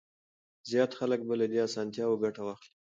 زيات خلک به له دې اسانتياوو ګټه واخلي.